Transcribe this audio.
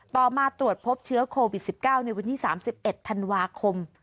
มาตรวจพบเชื้อโควิด๑๙ในวันที่๓๑ธันวาคม